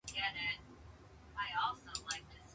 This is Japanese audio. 耳が鋭敏なことのたとえ。師曠のように耳がさといという意味。